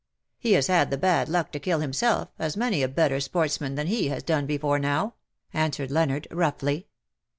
'' He has had the bad luck to kill himself, as many a better sportsman than he has done before now,^' answered Leonard, roughly.